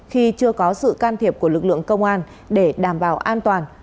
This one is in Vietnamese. khi chưa có sự can thiệp của lực lượng công an để đảm bảo an toàn